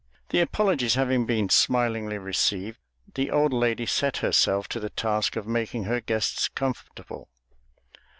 The apologies having been smilingly received, the old lady set herself to the task of making her guests comfortable.